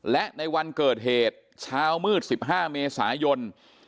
และในวันเกิดเหตุเช้ามืด๑๕เมษายน